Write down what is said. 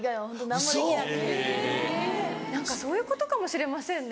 何かそういうことかもしれませんね。